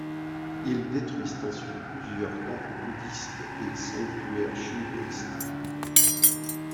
Ils détruisent ensuite plusieurs temples bouddhistes et sanctuaires shintoïstes.